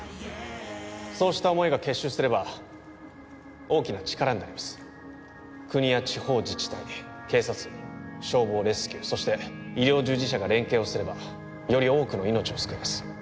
そうした思いが結集すれば大きな力になります国や地方自治体警察消防レスキューそして医療従事者が連携をすればより多くの命を救えます